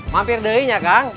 mampir deh ini ya kang